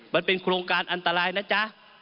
มันเป็นโครงการอันตรายนะจ๊ะ